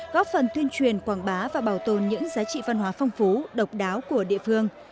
góp phần tuyên truyền quảng bá và bảo tồn những giá trị văn hóa phong phú độc đáo của địa phương